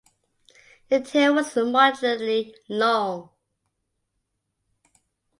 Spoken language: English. The tail was moderately long.